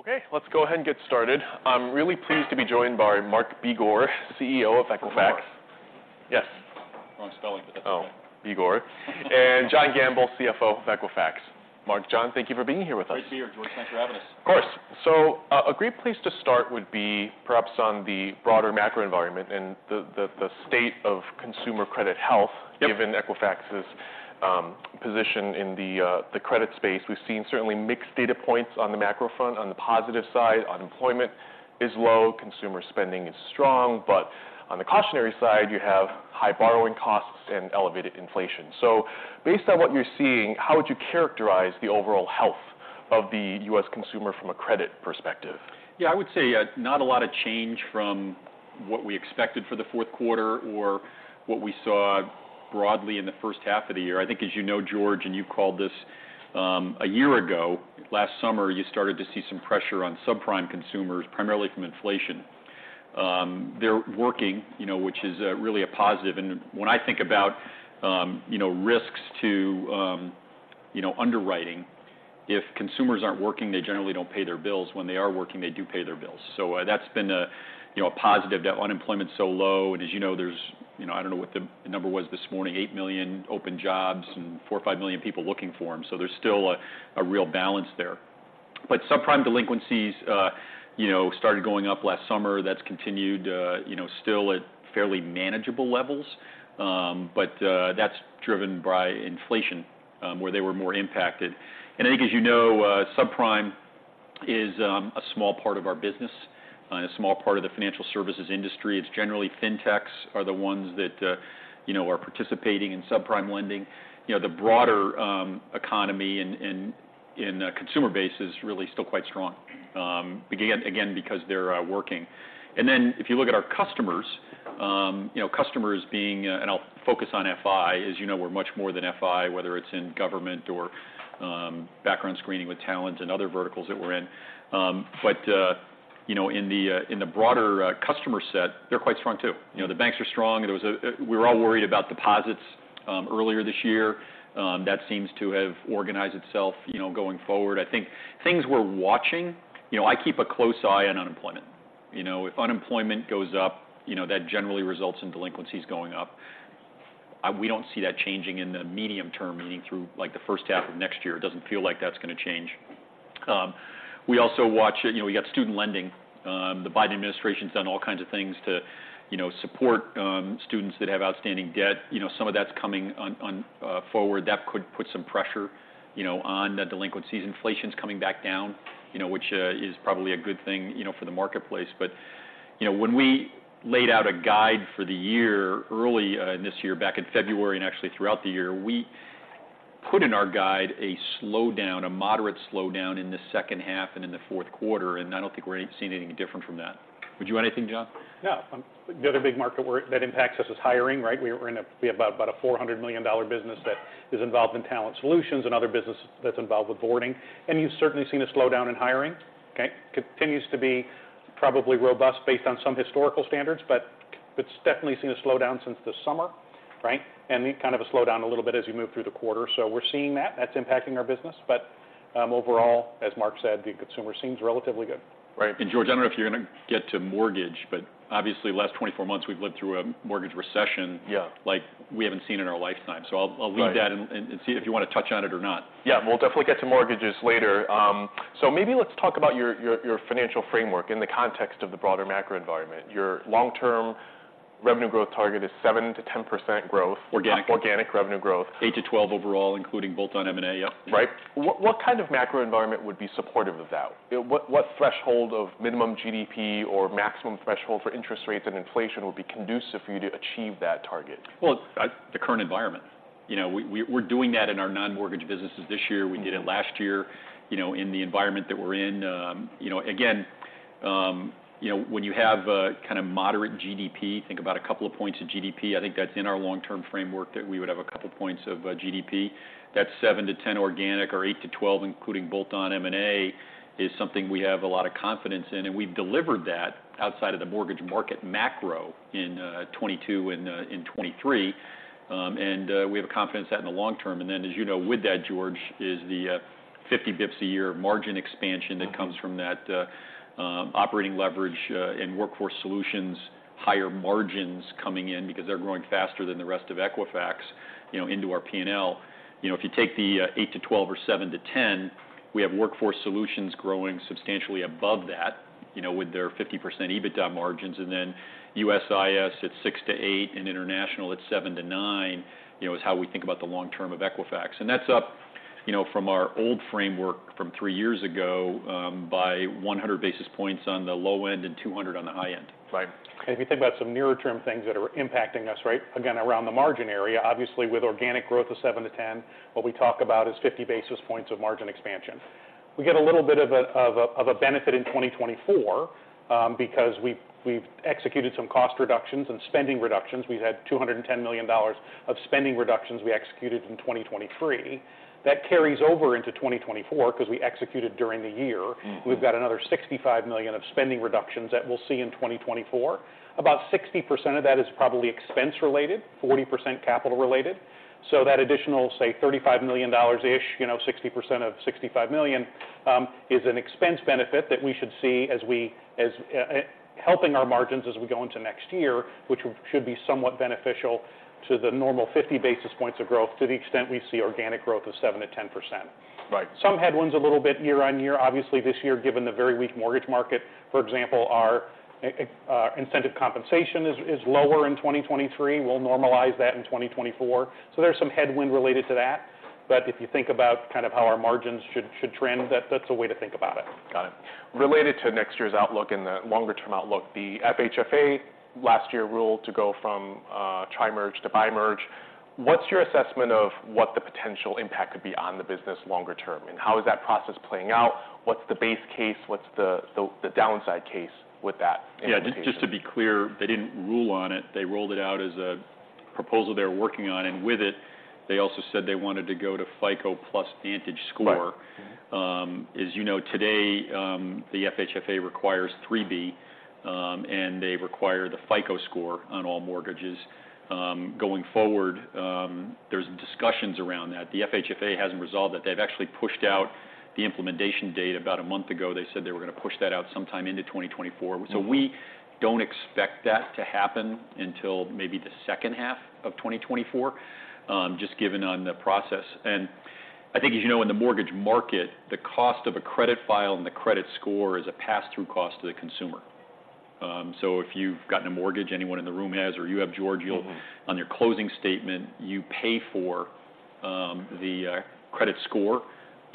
Okay, let's go ahead and get started. I'm really pleased to be joined by Mark Begor, CEO of Equifax. Begor. Yes. Wrong spelling, but that's okay. Oh, Begor. And John Gamble, CFO of Equifax. Mark, John, thank you for being here with us. Great to be here, George. Thanks for having us. Of course. A great place to start would be perhaps on the broader macro environment and the state of consumer credit health... Yep Given Equifax's position in the credit space. We've seen certainly mixed data points on the macro front. On the positive side, unemployment is low, consumer spending is strong, but on the cautionary side, you have high borrowing costs and elevated inflation. So based on what you're seeing, how would you characterize the overall health of the U.S. consumer from a credit perspective? Yeah, I would say, not a lot of change from what we expected for the fourth quarter or what we saw broadly in the first half of the year. I think, as you know, George, and you called this, a year ago, last summer, you started to see some pressure on subprime consumers, primarily from inflation. They're working, you know, which is really a positive. And when I think about, you know, risks to, you know, underwriting, if consumers aren't working, they generally don't pay their bills. When they are working, they do pay their bills. So, that's been a, you know, a positive that unemployment's so low. As you know, you know, I don't know what the number was this morning, eight million open jobs and four or five million people looking for them, so there's still a real balance there. But subprime delinquencies, you know, started going up last summer. That's continued, you know, still at fairly manageable levels. But that's driven by inflation, where they were more impacted. And I think, as you know, subprime is a small part of our business and a small part of the financial services industry. It's generally fintechs are the ones that, you know, are participating in subprime lending. You know, the broader economy and consumer base is really still quite strong, again, because they're working. And then, if you look at our customers, you know, customers being... I'll focus on FI. As you know, we're much more than FI, whether it's in government or background screening with talent and other verticals that we're in. But you know, in the broader customer set, they're quite strong too. You know, the banks are strong. We were all worried about deposits earlier this year. That seems to have organized itself, you know, going forward. I think things we're watching, you know, I keep a close eye on unemployment. You know, if unemployment goes up, you know, that generally results in delinquencies going up. We don't see that changing in the medium term, meaning through, like, the first half of next year. It doesn't feel like that's gonna change. We also watch, you know, we got student lending. The Biden administration's done all kinds of things to, you know, support students that have outstanding debt. You know, some of that's coming on, on, forward. That could put some pressure, you know, on the delinquencies. Inflation's coming back down, you know, which is probably a good thing, you know, for the marketplace. But, you know, when we laid out a guide for the year early in this year, back in February, and actually throughout the year, we put in our guide a slowdown, a moderate slowdown in the second half and in the fourth quarter, and I don't think we're seeing anything different from that. Would you add anything, John? No, the other big market where that impacts us is hiring, right? We have about a $400 million business that is involved in talent solutions and other business that's involved with onboarding. And you've certainly seen a slowdown in hiring, okay? Continues to be probably robust based on some historical standards, but it's definitely seen a slowdown since the summer, right? And kind of a slowdown a little bit as you move through the quarter. So we're seeing that. That's impacting our business. But overall, as Mark said, the consumer seems relatively good. Right. And George, I don't know if you're gonna get to mortgage, but obviously, the last 24 months, we've lived through a mortgage recession- Yeah... like we haven't seen in our lifetime. Right. So I'll leave that and see if you wanna touch on it or not. Yeah, we'll definitely get to mortgages later. So maybe let's talk about your financial framework in the context of the broader macro environment. Your long-term revenue growth target is 7%-10% growth. Organic. Organic revenue growth. 8-12 overall, including both on M&A. Yep. Right. What, what kind of macro environment would be supportive of that? What, what threshold of minimum GDP or maximum threshold for interest rates and inflation would be conducive for you to achieve that target? Well, the current environment. You know, we, we're doing that in our non-mortgage businesses this year. We did it last year. You know, in the environment that we're in, you know, again, you know, when you have a kind of moderate GDP, think about a couple of points of GDP, I think that's in our long-term framework, that we would have a couple points of GDP. That's seven-10 organic or 8-12, including bolt-on M&A, is something we have a lot of confidence in, and we've delivered that outside of the mortgage market macro in 2022 and in 2023. And we have a confidence that in the long term, and then, as you know, with that, George, is the 50 basis points a year margin expansion- Mm-hmm... that comes from that, operating leverage, and workforce solutions, higher margins coming in because they're growing faster than the rest of Equifax, you know, into our P&L. You know, if you take the, 8-12 or seven-10, we have workforce solutions growing substantially above that, you know, with their 50% EBITDA margins, and then USIS, it's six-eight, and international, it's seven-nine, you know, is how we think about the long term of Equifax. And that's up, you know, from our old framework from three years ago, by 100 basis points on the low end and 200 on the high end. Right. If you think about some nearer-term things that are impacting us, right? Again, around the margin area, obviously, with organic growth of seven-10, what we talk about is 50 basis points of margin expansion. We get a little bit of a benefit in 2024, because we've executed some cost reductions and spending reductions. We've had $210 million of spending reductions we executed in 2023. That carries over into 2024, 'cause we executed during the year. Mm-hmm. We've got another $65 million of spending reductions that we'll see in 2024. About 60% of that is probably expense related, 40% capital related. So that additional, say, $35 million-ish, you know, 60% of 65 million, is an expense benefit that we should see as helping our margins as we go into next year, which should be somewhat beneficial to the normal 50 basis points of growth, to the extent we see organic growth of 7%-10%. Right. Some headwinds a little bit year-on-year. Obviously, this year, given the very weak mortgage market, for example, our incentive compensation is, is lower in 2023. We'll normalize that in 2024. So there's some headwind related to that. But if you think about kind of how our margins should, should trend, that's a way to think about it. Got it. Related to next year's outlook and the longer-term outlook, the FHFA last year ruled to go from tri-merge to bi-merge. What's your assessment of what the potential impact could be on the business longer term? And how is that process playing out? What's the base case? What's the downside case with that implementation? Yeah, just, just to be clear, they didn't rule on it. They rolled it out as a proposal they were working on, and with it, they also said they wanted to go to FICO plus VantageScore. Right. Mm-hmm. As you know, today, the FHFA requires three bureaus, and they require the FICO score on all mortgages. Going forward, there's discussions around that. The FHFA hasn't resolved it. They've actually pushed out the implementation date. About a month ago, they said they were gonna push that out sometime into 2024. Mm-hmm. So we don't expect that to happen until maybe the second half of 2024, just given on the process. And I think, as you know, in the mortgage market, the cost of a credit file and the credit score is a pass-through cost to the consumer. So if you've gotten a mortgage, anyone in the room has, or you have, George- Mm-hmm... you'll, on your closing statement, you pay for the credit score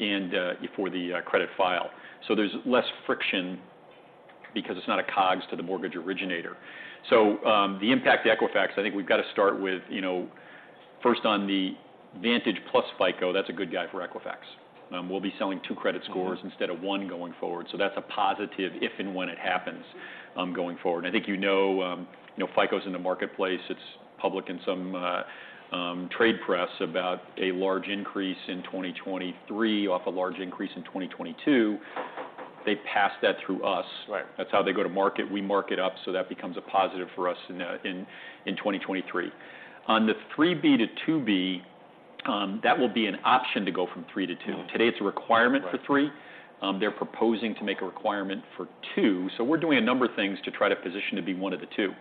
and for the credit file. So there's less friction because it's not a COGS to the mortgage originator. So, the impact to Equifax, I think we've got to start with, you know, first, on the Vantage plus FICO, that's a good guy for Equifax. We'll be selling two credit scores- Mm-hmm... instead of one going forward. So that's a positive if and when it happens, going forward. I think, you know, you know, FICO's in the marketplace. It's public in some, trade press about a large increase in 2023, off a large increase in 2022. They passed that through us. Right. That's how they go to market. We mark it up, so that becomes a positive for us in 2023. On the 3B to 2B, that will be an option to go from 3 to 2. Mm-hmm. Today, it's a requirement for three. Right. They're proposing to make a requirement for two. So we're doing a number of things to try to position to be one of the two.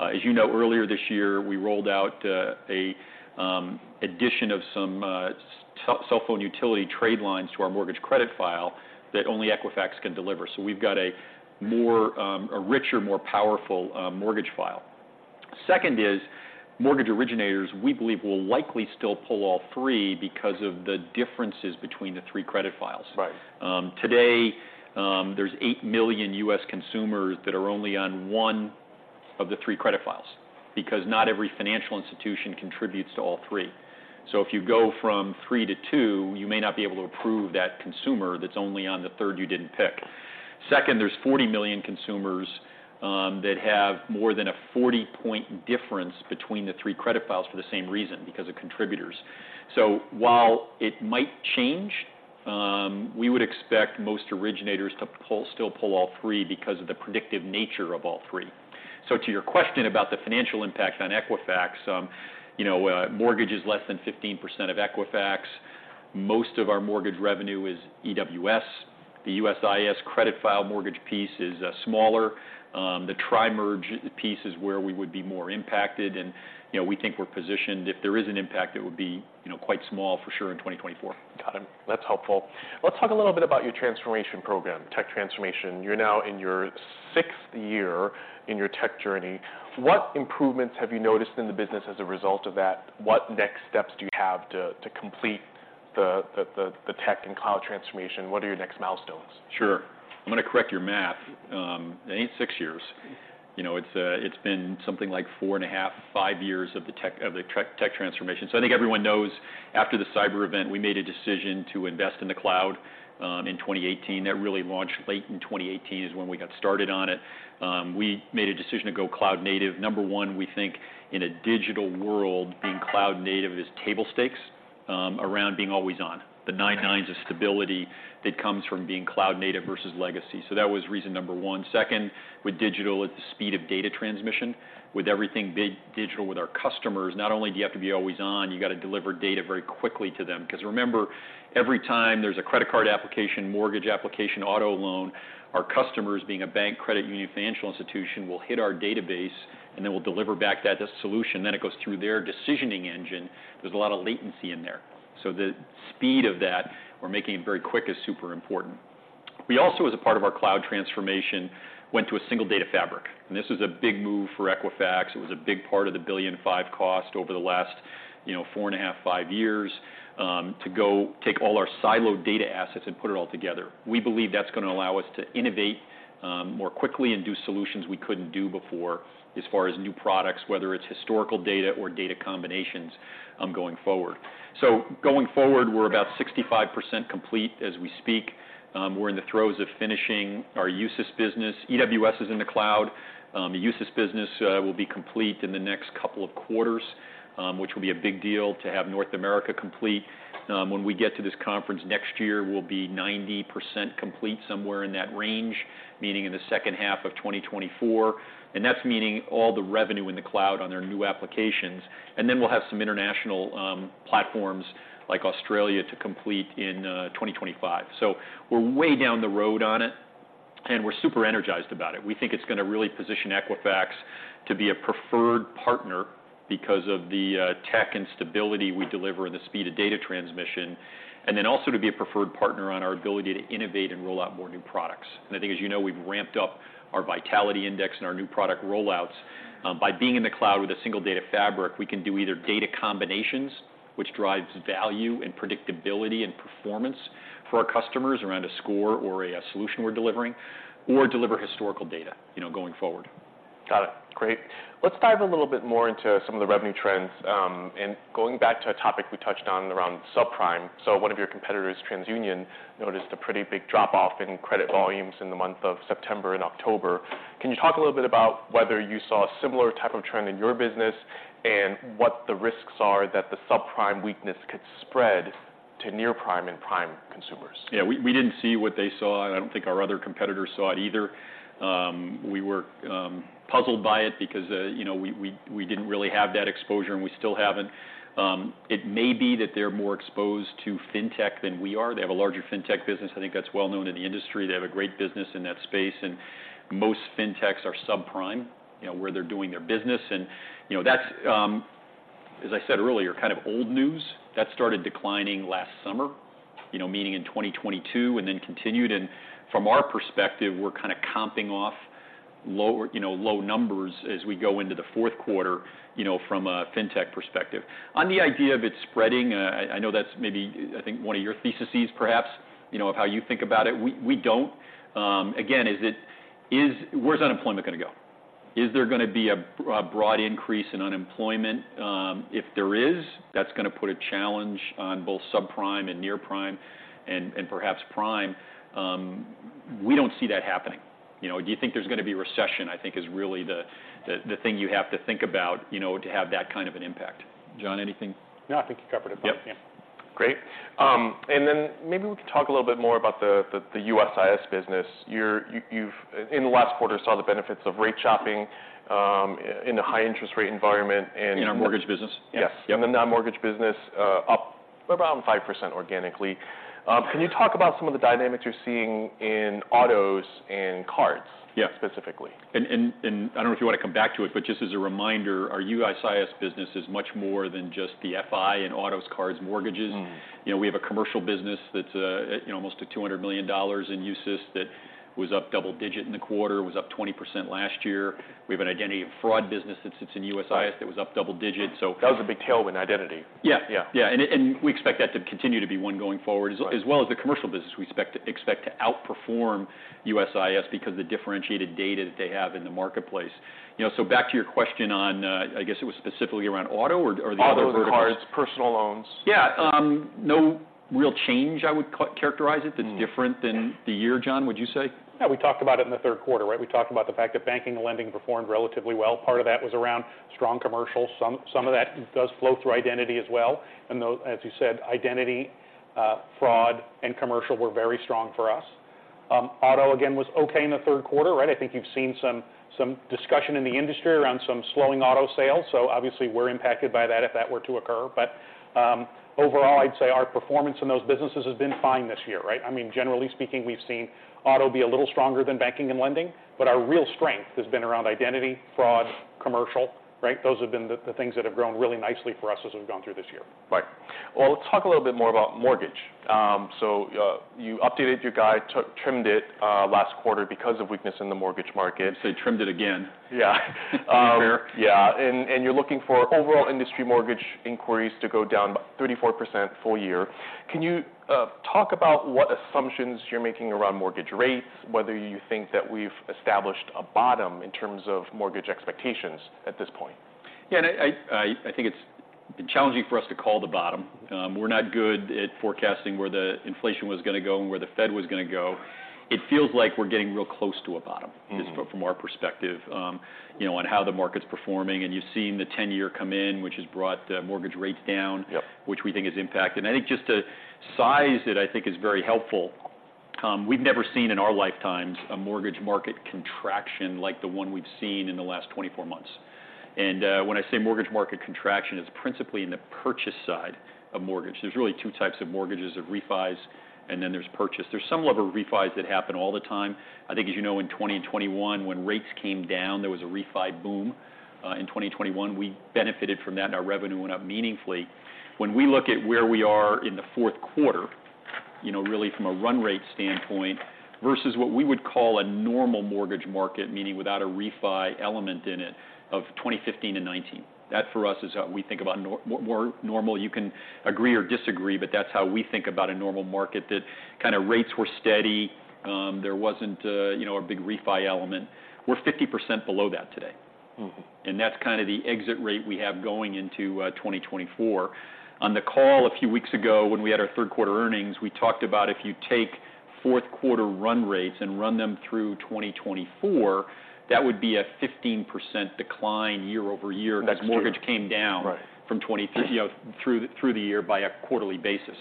As you know, earlier this year, we rolled out a addition of some cell phone utility trade lines to our mortgage credit file that only Equifax can deliver. So we've got a more a richer, more powerful mortgage file. Second is, mortgage originators, we believe, will likely still pull all three because of the differences between the three credit files. Right. Today, there's 8 million U.S. consumers that are only on one of the three credit files because not every financial institution contributes to all three. So if you go from three to two, you may not be able to approve that consumer that's only on the third you didn't pick. Second, there's 40 million consumers that have more than a 40-point difference between the three credit files for the same reason, because of contributors. So while it might change, we would expect most originators to still pull all three because of the predictive nature of all three. So to your question about the financial impact on Equifax, you know, mortgage is less than 15% of Equifax. Most of our mortgage revenue is EWS. The USIS credit file mortgage piece is smaller. The Tri-merge piece is where we would be more impacted, and, you know, we think we're positioned. If there is an impact, it would be, you know, quite small for sure in 2024. Got it. That's helpful. Let's talk a little bit about your transformation program, tech transformation. You're now in your sixth year in your tech journey. Right. What improvements have you noticed in the business as a result of that? What next steps do you have to complete the tech and cloud transformation? What are your next milestones? Sure. I'm gonna correct your math. It ain't 6 years. You know, it's been something like 4.5-5 years of the tech transformation. Right. So I think everyone knows, after the cyber event, we made a decision to invest in the cloud in 2018. That really launched late in 2018, is when we got started on it. We made a decision to go cloud native. Number one, we think in a digital world- Mm-hmm... being cloud native is table stakes, around being always on. Right. The nine nines of stability that comes from being cloud native versus legacy. So that was reason number one. Second, with digital, it's the speed of data transmission. With everything being digital with our customers, not only do you have to be always on, you gotta deliver data very quickly to them, 'cause remember, every time there's a credit card application, mortgage application, auto loan, our customers, being a bank, credit union, financial institution, will hit our database, and then we'll deliver back that solution. Then it goes through their decisioning engine. There's a lot of latency in there. So the speed of that, we're making it very quick, is super important. We also, as a part of our cloud transformation, went to a single data fabric, and this was a big move for Equifax. It was a big part of the $1.5 billion cost over the last, you know, 4.5-5 years, to go take all our siloed data assets and put it all together. We believe that's gonna allow us to innovate more quickly and do solutions we couldn't do before as far as new products, whether it's historical data or data combinations, going forward. So going forward, we're about 65% complete as we speak. We're in the throes of finishing our USIS business. EWS is in the cloud. The USIS business will be complete in the next couple of quarters, which will be a big deal to have North America complete. When we get to this conference next year, we'll be 90% complete, somewhere in that range, meaning in the second half of 2024, and that's meaning all the revenue in the cloud on their new applications. And then we'll have some international platforms, like Australia, to complete in 2025. So we're way down the road on it, and we're super energized about it. We think it's gonna really position Equifax to be a preferred partner because of the tech and stability we deliver and the speed of data transmission, and then also to be a preferred partner on our ability to innovate and roll out more new products. And I think, as you know, we've ramped up our Vitality Index and our new product rollouts. By being in the cloud with a single data fabric, we can do either data combinations, which drives value and predictability and performance for our customers around a score or a solution we're delivering, or deliver historical data, you know, going forward. Got it. Great. Let's dive a little bit more into some of the revenue trends. And going back to a topic we touched on around subprime, so one of your competitors, TransUnion, noticed a pretty big drop-off in credit volumes in the month of September and October. Can you talk a little bit about whether you saw a similar type of trend in your business and what the risks are that the subprime weakness could spread to near prime and prime consumers? Yeah, we didn't see what they saw, and I don't think our other competitors saw it either. We were puzzled by it because, you know, we didn't really have that exposure, and we still haven't. It may be that they're more exposed to fintech than we are. They have a larger fintech business. I think that's well known in the industry. They have a great business in that space, and most fintechs are subprime, you know, where they're doing their business. And, you know, that's, as I said earlier, kind of old news. That started declining last summer, you know, meaning in 2022, and then continued. And from our perspective, we're kind of comping off lower... You know, low numbers as we go into the fourth quarter, you know, from a fintech perspective. On the idea of it spreading, I know that's maybe, I think, one of your theses perhaps, you know, of how you think about it. We don't. Again, is it where's unemployment gonna go? Is there gonna be a broad increase in unemployment? If there is, that's gonna put a challenge on both subprime and near prime and perhaps prime. We don't see that happening. You know, do you think there's gonna be recession? I think is really the thing you have to think about, you know, to have that kind of an impact. John, anything? No, I think you covered it. Yep. Yeah. Great. And then maybe we can talk a little bit more about the USIS business. You've in the last quarter saw the benefits of rate shopping in the high interest rate environment, and- In our mortgage business? Yes. Yep. The non-mortgage business, up around 5% organically. Can you talk about some of the dynamics you're seeing in autos and cards? Yeah... specifically? I don't know if you want to come back to it, but just as a reminder, our USIS business is much more than just the FI and autos, cards, mortgages. Mm. You know, we have a commercial business that's, you know, you know, almost at $200 million in USIS that was up double-digit in the quarter, was up 20% last year. We have an identity and fraud business that sits in USIS that was up double-digit, so- That was a big tailwind identity. Yeah. Yeah. Yeah, and we expect that to continue to be one going forward. Right... as well as the commercial business, we expect to outperform USIS because the differentiated data that they have in the marketplace. You know, so back to your question on, I guess it was specifically around auto or the other vertical? Auto, the cards, personal loans. Yeah, no real change, I would characterize it- Mm... that's different than the year. John, would you say? Yeah, we talked about it in the third quarter, right? We talked about the fact that banking and lending performed relatively well. Part of that was around strong commercial. Some of that does flow through identity as well. And though, as you said, identity, fraud, and commercial were very strong for us. Auto, again, was okay in the third quarter, right? I think you've seen some discussion in the industry around some slowing auto sales, so obviously, we're impacted by that if that were to occur. But, overall, I'd say our performance in those businesses has been fine this year, right? I mean, generally speaking, we've seen auto be a little stronger than banking and lending, but our real strength has been around identity, fraud, commercial, right? Those have been the things that have grown really nicely for us as we've gone through this year. Right. Well, let's talk a little bit more about mortgage. So, you updated your guide, trimmed it, last quarter because of weakness in the mortgage market. I'd say trimmed it again. Yeah. To be fair. Yeah, and you're looking for overall industry mortgage inquiries to go down about 34% full year. Can you talk about what assumptions you're making around mortgage rates, whether you think that we've established a bottom in terms of mortgage expectations at this point? Yeah, I think it's challenging for us to call the bottom. We're not good at forecasting where the inflation was gonna go and where the Fed was gonna go. It feels like we're getting real close to a bottom- Mm... just from our perspective, you know, on how the market's performing, and you've seen the 10-year come in, which has brought mortgage rates down- Yep... which we think is impact. And I think just a size that I think is very helpful, we've never seen in our lifetimes a mortgage market contraction like the one we've seen in the last 24 months. And when I say mortgage market contraction, it's principally in the purchase side of mortgage. There's really two types of mortgages: there's refis, and then there's purchase. There's some level of refis that happen all the time. I think, as you know, in 2020 and 2021, when rates came down, there was a refi boom. In 2021, we benefited from that, and our revenue went up meaningfully. When we look at where we are in the fourth quarter, you know, really from a run rate standpoint versus what we would call a normal mortgage market, meaning without a refi element in it, of 2015 to 2019. That, for us, is how we think about more normal. You can agree or disagree, but that's how we think about a normal market, that kind of rates were steady, there wasn't a, you know, a big refi element. We're 50% below that today... And that's kind of the exit rate we have going into 2024. On the call a few weeks ago, when we had our third quarter earnings, we talked about if you take fourth quarter run rates and run them through 2024, that would be a 15% decline year-over-year- Next year. as mortgage came down Right. from 2020—you know, through the year on a quarterly basis.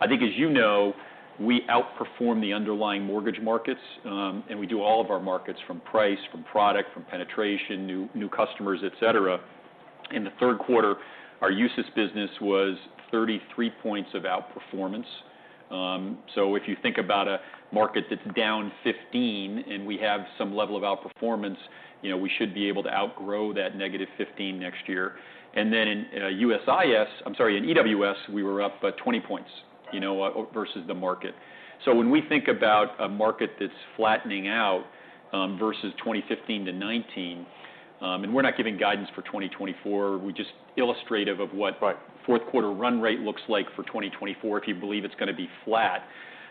I think, as you know, we outperform the underlying mortgage markets, and we do all of our markets from price, from product, from penetration, new customers, et cetera. In the third quarter, our USIS business was 33 points of outperformance. So if you think about a market that's down 15, and we have some level of outperformance, you know, we should be able to outgrow that negative 15 next year. And then in USIS—I'm sorry, in EWS, we were up by 20 points, you know, versus the market. So when we think about a market that's flattening out, versus 2015 to 2019, and we're not giving guidance for 2024, we're just illustrative of what- Right. fourth quarter run rate looks like for 2024, if you believe it's gonna be flat.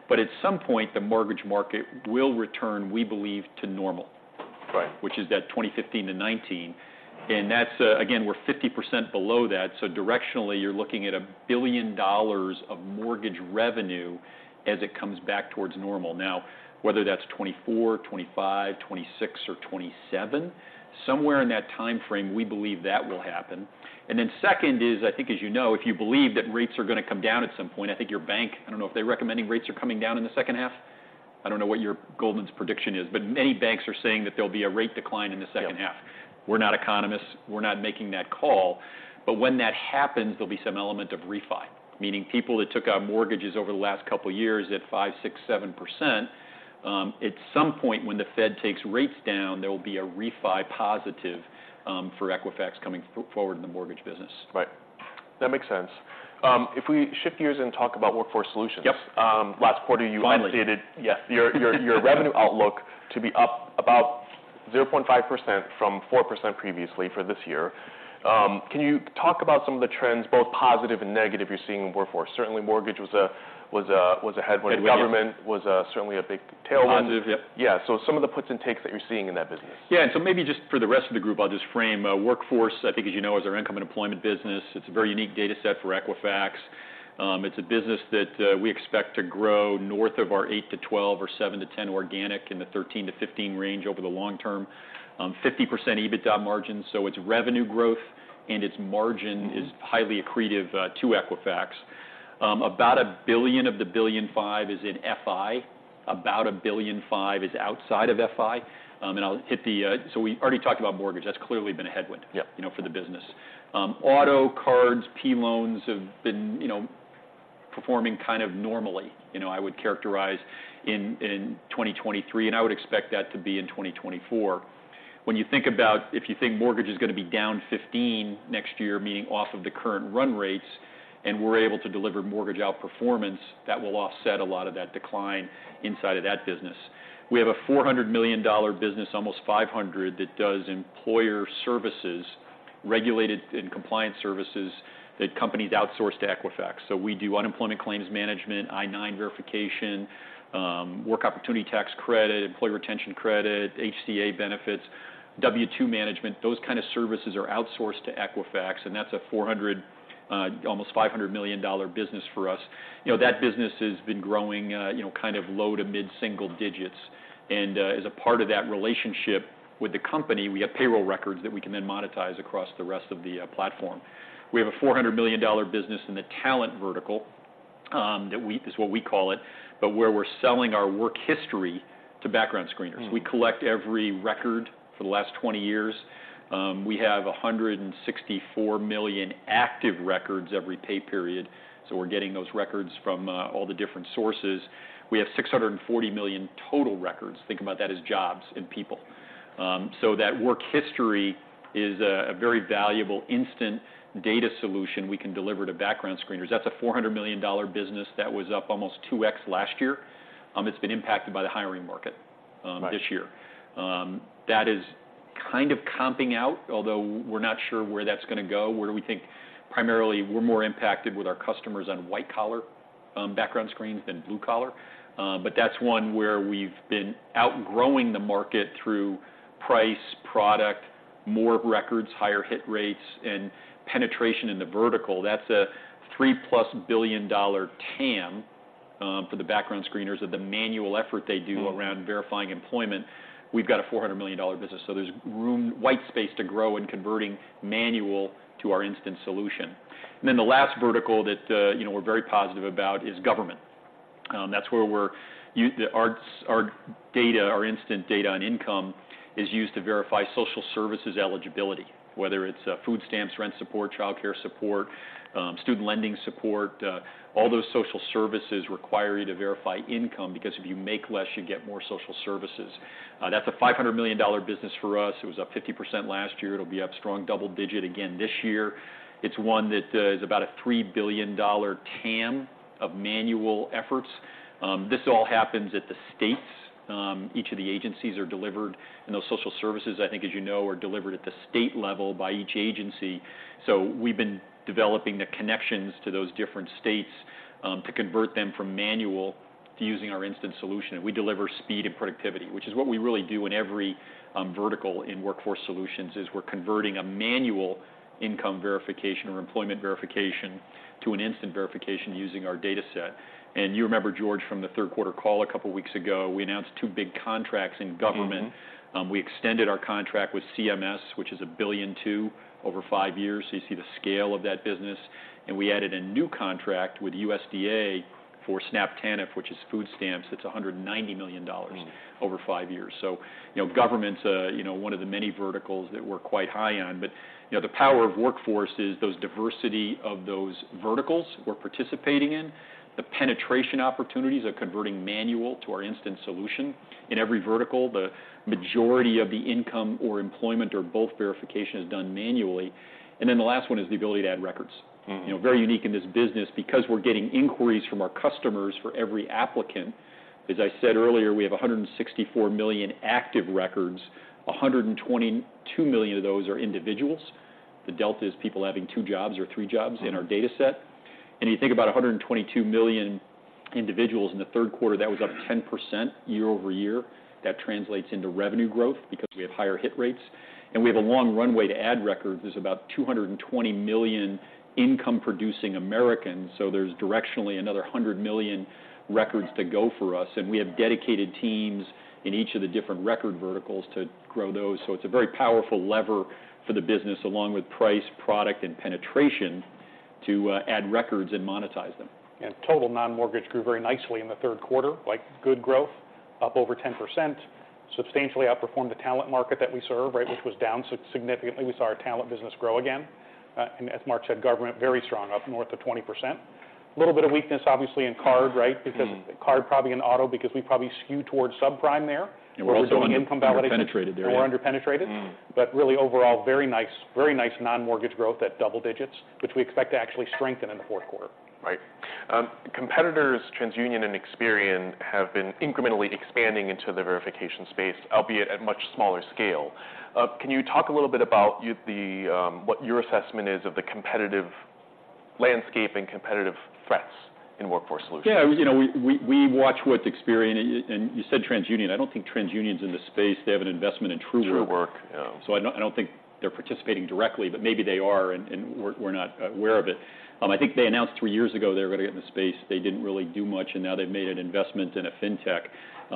But at some point, the mortgage market will return, we believe, to normal. Right. Which is that 2015-2019, and that's, again, we're 50% below that. So directionally, you're looking at $1 billion of mortgage revenue as it comes back towards normal. Now, whether that's 2024, 2025, 2026, or 2027, somewhere in that timeframe, we believe that will happen. And then second is, I think as you know, if you believe that rates are gonna come down at some point, I think your bank... I don't know if they're recommending rates are coming down in the second half. I don't know what your Goldman's prediction is, but many banks are saying that there'll be a rate decline in the second half. Yeah. We're not economists. We're not making that call. But when that happens, there'll be some element of refi, meaning people that took out mortgages over the last couple of years at 5, 6, 7%, at some point, when the Fed takes rates down, there will be a refi positive, for Equifax coming forward in the mortgage business. Right. That makes sense. If we shift gears and talk about workforce solutions. Yep. Last quarter, you- Finally. -stated- Yes. your revenue outlook to be up about 0.5% from 4% previously for this year. Can you talk about some of the trends, both positive and negative, you're seeing in workforce? Certainly, mortgage was a headwind. Headwind. Government was certainly a big tailwind. Positive, yep. Yeah, so some of the puts and takes that you're seeing in that business. Yeah, and so maybe just for the rest of the group, I'll just frame workforce, I think, as you know, is our income and employment business. It's a very unique data set for Equifax. It's a business that we expect to grow north of our 8%-12% or 7%-10% organic in the 13%-15% range over the long term. 50% EBITDA margin, so its revenue growth and its margin- Mm-hmm. -is highly accretive to Equifax. About $1 billion of the $1.5 billion is in FI. About $1.5 billion is outside of FI. And I'll hit... So we already talked about mortgage. That's clearly been a headwind- Yep You know, for the business. Auto, cards, P loans have been, you know, performing kind of normally, you know. I would characterize in 2023, and I would expect that to be in 2024. When you think about, if you think mortgage is gonna be down 15% next year, meaning off of the current run rates, and we're able to deliver mortgage outperformance, that will offset a lot of that decline inside of that business. We have a $400 million business, almost $500, that does employer services, regulated and compliance services, that companies outsource to Equifax. So we do unemployment claims management, I-9 verification, Work Opportunity Tax Credit, Employee Retention Credit, ACA benefits, W-2 management. Those kind of services are outsourced to Equifax, and that's a $400, almost $500 million business for us. You know, that business has been growing, you know, kind of low to mid-single digits. As a part of that relationship with the company, we have payroll records that we can then monetize across the rest of the platform. We have a $400 million business in the talent vertical, that is what we call it, but where we're selling our work history to background screeners. Mm. We collect every record for the last 20 years. We have 164 million active records every pay period, so we're getting those records from all the different sources. We have 640 million total records. Think about that as jobs and people. So that work history is a very valuable instant data solution we can deliver to background screeners. That's a $400 million business that was up almost 2x last year. It's been impacted by the hiring market this year. Right. That is kind of comping out, although we're not sure where that's gonna go, where we think primarily we're more impacted with our customers on white-collar, background screens than blue collar. But that's one where we've been outgrowing the market through price, product, more records, higher hit rates, and penetration in the vertical. That's a $3+ billion TAM, for the background screeners of the manual effort they do- Mm -around verifying employment. We've got a $400 million business, so there's room- white space to grow in converting manual to our instant solution. And then the last vertical that, you know, we're very positive about is government. That's where we're our, our data, our instant data on income, is used to verify social services eligibility, whether it's, food stamps, rent support, childcare support, student lending support. All those social services require you to verify income, because if you make less, you get more social services. That's a $500 million business for us. It was up 50% last year. It'll be up strong double digit again this year. It's one that, is about a $3 billion TAM of manual efforts. This all happens at the states. Each of the agencies are delivered, and those social services, I think, as you know, are delivered at the state level by each agency. So we've been developing the connections to those different states, to convert them from manual to using our instant solution, and we deliver speed and productivity, which is what we really do in every vertical in workforce solutions, is we're converting a manual income verification or employment verification to an instant verification using our data set. And you remember, George, from the third quarter call a couple weeks ago, we announced two big contracts in government. We extended our contract with CMS, which is $1.2 billion over five years, so you see the scale of that business. And we added a new contract with USDA for SNAP TANF, which is food stamps. That's $190 million. Over five years. So, you know, government's, you know, one of the many verticals that we're quite high on. But, you know, the power of workforce is those diversity of those verticals we're participating in, the penetration opportunities of converting manual to our instant solution. In every vertical, the majority of the income or employment or both verification is done manually. And then the last one is the ability to add records. Mm-hmm. You know, very unique in this business because we're getting inquiries from our customers for every applicant. As I said earlier, we have 164 million active records, 122 million of those are individuals. The delta is people having two jobs or three jobs in our data set. And you think about 122 million individuals in the third quarter, that was up 10% year-over-year. That translates into revenue growth because we have higher hit rates, and we have a long runway to add records. There's about 220 million income-producing Americans, so there's directionally another 100 million records to go for us, and we have dedicated teams in each of the different record verticals to grow those. So it's a very powerful lever for the business, along with price, product, and penetration, to add records and monetize them. And total non-mortgage grew very nicely in the third quarter, like good growth, up over 10%, substantially outperformed the talent market that we serve, right? Which was down significantly. We saw our talent business grow again. And as Mark said, government, very strong, up north of 20%. Little bit of weakness, obviously, in card, right? Mm-hmm. Because card probably in auto, because we probably skew towards subprime there. And we're also underpenetrated where we're doing income validation. We're underpenetrated there. We're underpenetrated. Mm. But really, overall, very nice, very nice non-mortgage growth at double digits, which we expect to actually strengthen in the fourth quarter. Right. Competitors TransUnion and Experian have been incrementally expanding into the verification space, albeit at much smaller scale. Can you talk a little bit about what your assessment is of the competitive landscape and competitive threats in workforce solutions? Yeah. You know, we watch what Experian and you said TransUnion. I don't think TransUnion's in this space. They have an investment in Truework. Truework, yeah. So I don't think they're participating directly, but maybe they are, and we're not aware of it. I think they announced three years ago they were going to get in the space. They didn't really do much, and now they've made an investment in a fintech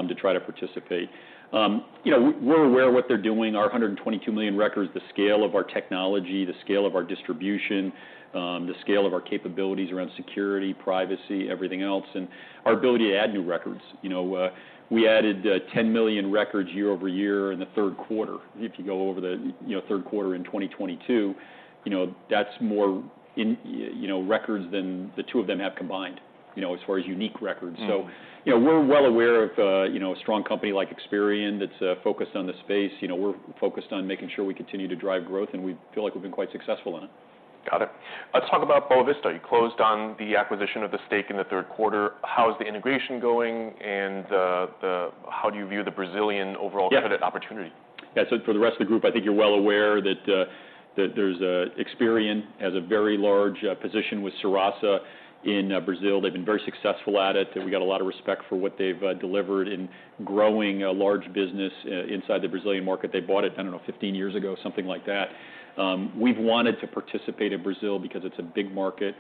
to try to participate. You know, we're aware of what they're doing. Our 122 million records, the scale of our technology, the scale of our distribution, the scale of our capabilities around security, privacy, everything else, and our ability to add new records. You know, we added 10 million records year over year in the third quarter. If you go over the third quarter in 2022, you know, that's more records than the two of them have combined, you know, as far as unique records. So, you know, we're well aware of, you know, a strong company like Experian that's, focused on the space. You know, we're focused on making sure we continue to drive growth, and we feel like we've been quite successful in it. Got it. Let's talk about Boa Vista. You closed on the acquisition of the stake in the third quarter. How is the integration going, and how do you view the Brazilian overall credit opportunity? Yeah. So for the rest of the group, I think you're well aware that there's a-- Experian has a very large position with Serasa in Brazil. They've been very successful at it. We've got a lot of respect for what they've delivered in growing a large business inside the Brazilian market. They bought it, I don't know, 15 years ago, something like that. We've wanted to participate in Brazil because it's a big market,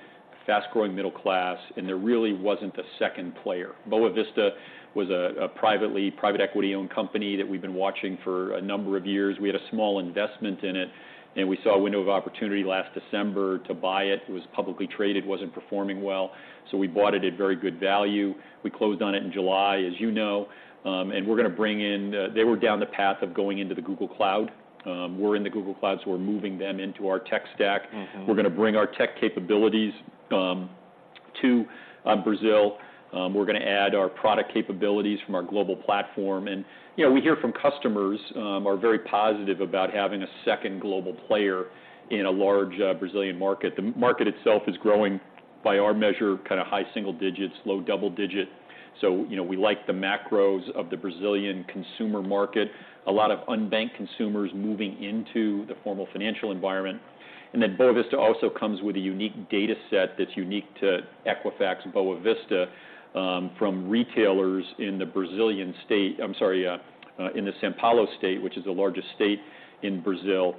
fast-growing middle class, and there really wasn't a second player. Boa Vista was a private equity-owned company that we've been watching for a number of years. We had a small investment in it, and we saw a window of opportunity last December to buy it. It was publicly traded, wasn't performing well, so we bought it at very good value. We closed on it in July, as you know, and we're gonna bring in. They were down the path of going into the Google Cloud. We're in the Google Cloud, so we're moving them into our tech stack. We're gonna bring our tech capabilities to Brazil. We're gonna add our product capabilities from our global platform. You know, we hear from customers are very positive about having a second global player in a large Brazilian market. The market itself is growing, by our measure, kinda high single digits, low double digit. So, you know, we like the macros of the Brazilian consumer market. A lot of unbanked consumers moving into the formal financial environment. And then Boa Vista also comes with a unique data set that's unique to Equifax, Boa Vista, from retailers in the São Paulo state, which is the largest state in Brazil,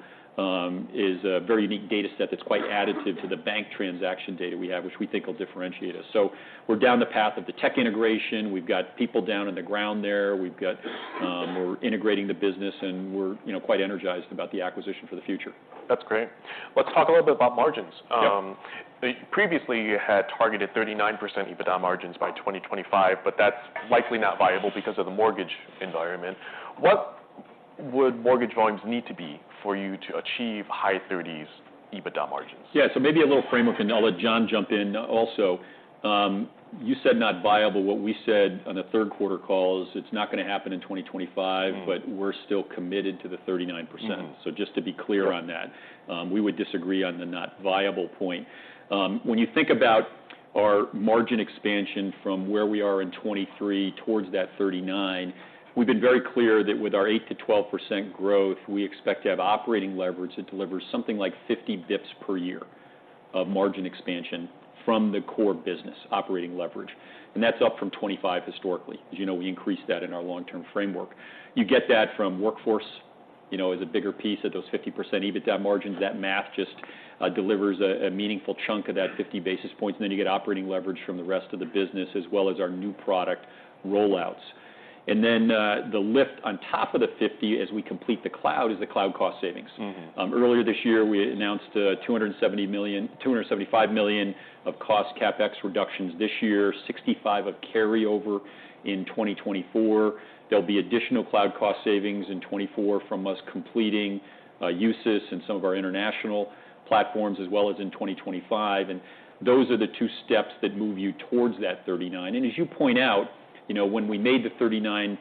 is a very unique data set that's quite additive to the bank transaction data we have, which we think will differentiate us. So we're down the path of the tech integration. We've got people down on the ground there. We've got, we're integrating the business, and we're, you know, quite energized about the acquisition for the future. That's great. Let's talk a little bit about margins. Yeah. Previously, you had targeted 39% EBITDA margins by 2025, but that's likely not viable because of the mortgage environment. What would mortgage volumes need to be for you to achieve high 30s EBITDA margins? Yeah, so maybe a little frame of... And I'll let John jump in, also. You said not viable. What we said on the third quarter call is, it's not gonna happen in 2025 - but we're still committed to the 39%. So just to be clear on that, we would disagree on the not viable point. When you think about our margin expansion from where we are in 2023 towards that 39, we've been very clear that with our 8%-12% growth, we expect to have operating leverage that delivers something like 50 dips per year of margin expansion from the core business operating leverage, and that's up from 25 historically. As you know, we increased that in our long-term framework. You get that from workforce, you know, as a bigger piece of those 50% EBITDA margins. That math just delivers a meaningful chunk of that 50 basis points, and then you get operating leverage from the rest of the business, as well as our new product rollouts. And then, the lift on top of the 50, as we complete the cloud, is the cloud cost savings. Mm-hmm. Earlier this year, we announced $275 million of cost CapEx reductions this year, $65 million of carryover in 2024. There'll be additional cloud cost savings in 2024 from us completing USIS and some of our international platforms, as well as in 2025, and those are the two steps that move you towards that 39. And as you point out, you know, when we made the 39%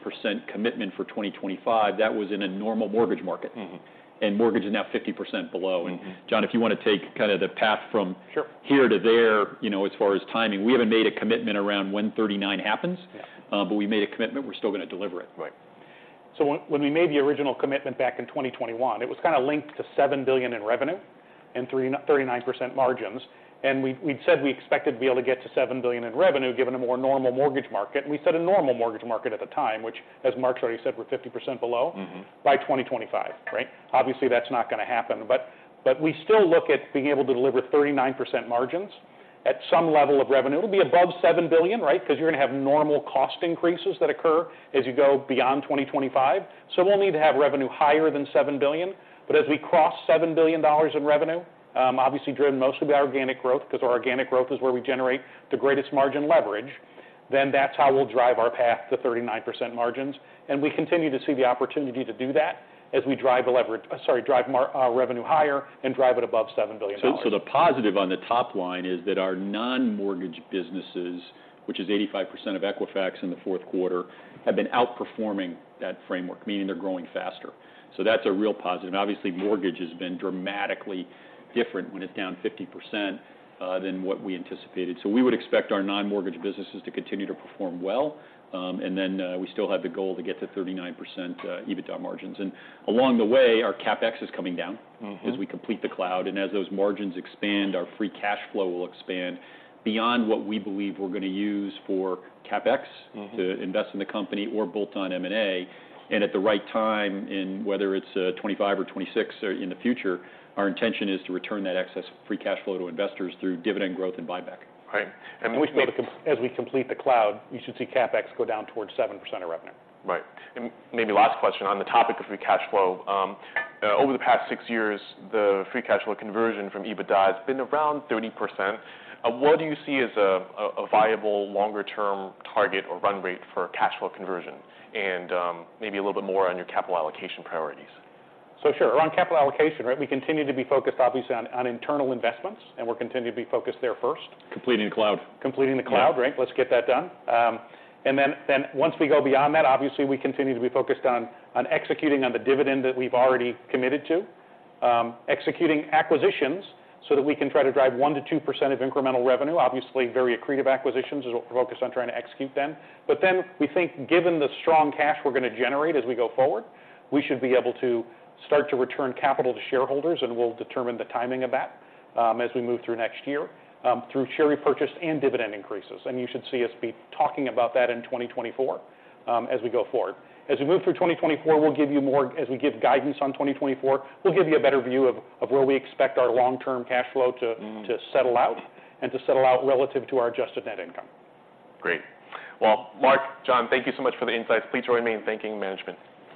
commitment for 2025, that was in a normal mortgage market. Mm-hmm. Mortgage is now 50% below. Mm-hmm. John, if you want to take kind of the path from- Sure Here to there, you know, as far as timing. We haven't made a commitment around when 39 happens- Yeah. But we made a commitment, we're still going to deliver it. Right. So when we made the original commitment back in 2021, it was kind of linked to $7 billion in revenue and 39% margins. And we, we'd said we expected to be able to get to $7 billion in revenue, given a more normal mortgage market. And we said a normal mortgage market at the time, which, as Mark's already said, we're 50% below- Mm-hmm... by 2025, right? Obviously, that's not going to happen. But we still look at being able to deliver 39% margins at some level of revenue. It'll be above $7 billion, right? Because you're going to have normal cost increases that occur as you go beyond 2025. So we'll need to have revenue higher than $7 billion. But as we cross $7 billion in revenue, obviously driven mostly by organic growth, because our organic growth is where we generate the greatest margin leverage, then that's how we'll drive our path to 39% margins. And we continue to see the opportunity to do that as we drive leverage, sorry, drive revenue higher and drive it above $7 billion. The positive on the top line is that our non-mortgage businesses, which is 85% of Equifax in the fourth quarter, have been outperforming that framework, meaning they're growing faster. So that's a real positive. And obviously, mortgage has been dramatically different when it's down 50%, than what we anticipated. So we would expect our non-mortgage businesses to continue to perform well. And then, we still have the goal to get to 39%, EBITDA margins. And along the way, our CapEx is coming down- Mm-hmm... as we complete the cloud, and as those margins expand, our free cash flow will expand beyond what we believe we're going to use for CapEx. Mm-hmm... to invest in the company or bolt on M&A. At the right time, in whether it's 2025 or 2026 or in the future, our intention is to return that excess free cash flow to investors through dividend growth and buyback. Right. And we- As we complete the cloud, you should see CapEx go down towards 7% of revenue. Right. And maybe last question on the topic of free cash flow. Over the past six years, the free cash flow conversion from EBITDA has been around 30%. What do you see as a viable longer-term target or run rate for cash flow conversion? And, maybe a little bit more on your capital allocation priorities. So, sure. On capital allocation, right, we continue to be focused, obviously, on internal investments, and we're continuing to be focused there first. Completing the cloud. Completing the cloud- Yeah... right. Let's get that done. And then, then once we go beyond that, obviously, we continue to be focused on, on executing on the dividend that we've already committed to, executing acquisitions so that we can try to drive 1%-2% of incremental revenue. Obviously, very accretive acquisitions is what we're focused on trying to execute then. But then we think, given the strong cash we're going to generate as we go forward, we should be able to start to return capital to shareholders, and we'll determine the timing of that, as we move through next year, through share repurchase and dividend increases. You should see us be talking about that in 2024, as we go forward. As we move through 2024, we'll give you more. As we give guidance on 2024, we'll give you a better view of, of where we expect our long-term cash flow to Mm-hmm... to settle out, and to settle out relative to our adjusted net income. Great. Well, Mark, John, thank you so much for the insights. Please remain. Thank you, management.